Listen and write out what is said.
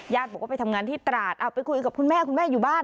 บอกว่าไปทำงานที่ตราดเอาไปคุยกับคุณแม่คุณแม่อยู่บ้าน